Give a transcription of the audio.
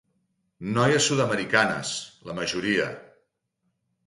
Noies sud-americanes, la majoria.